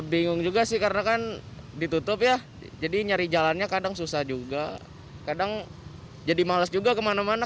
bingung juga sih karena kan ditutup ya jadi nyari jalannya kadang susah juga kadang jadi males juga kemana mana